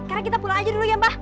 karena kita pulang aja dulu ya mbak